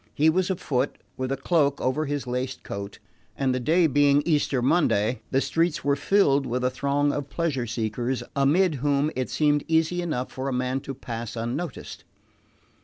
He was afoot, with a cloak over his laced coat, and the day being Easter Monday the streets were filled with a throng of pleasure seekers amid whom it seemed easy enough for a man to pass unnoticed.